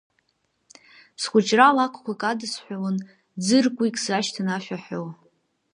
Схәыҷра лакәқәак адысҳәалон, ӡыркәик сашьҭан ашәа ҳәо.